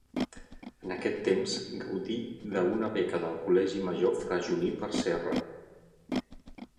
En aquest temps gaudí d'una beca del col·legi major Fra Juníper Serra.